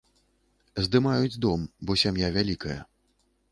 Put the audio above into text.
Здымаюць дом, бо сям'я вялікая.